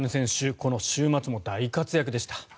この週末も大活躍でした。